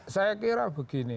saya kira begini